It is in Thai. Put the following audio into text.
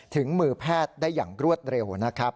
ถึงมือแพทย์ได้อย่างรวดเร็วนะครับ